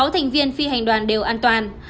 sáu thành viên phi hành đoàn đều an toàn